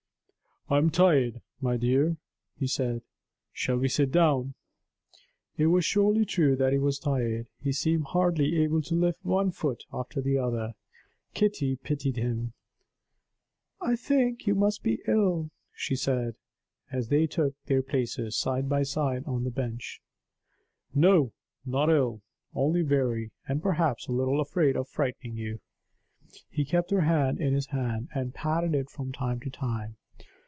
"I'm tired, my dear," he said. "Shall we sit down?" It was surely true that he was tired. He seemed hardly able to lift one foot after the other; Kitty pitied him. "I think you must be ill;" she said, as they took their places, side by side, on the bench. "No; not ill. Only weary, and perhaps a little afraid of frightening you." He kept her hand in his hand, and patted it from time to time.